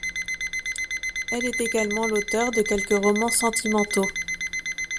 Elle est également l'auteur de quelques romans sentimentaux.